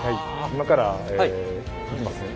今から行きますね。